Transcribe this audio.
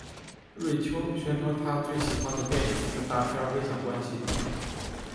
瑞秋宣称他最喜欢的电影是大片危险关系。